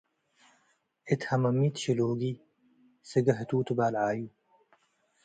እት ሀመሚት ሽሎጊ - ስጋ ህቱቱ ባልዓዩ